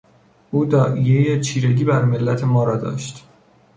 او داعیهی چیرگی بر ملت ما را داشت.